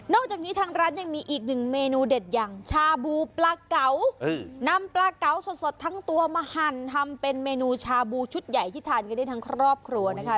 จากนี้ทางร้านยังมีอีกหนึ่งเมนูเด็ดอย่างชาบูปลาเก๋านำปลาเก๋าสดทั้งตัวมาหั่นทำเป็นเมนูชาบูชุดใหญ่ที่ทานกันได้ทั้งครอบครัวนะคะ